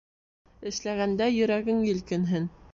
Эшләгәндә йөрәгең елкенһен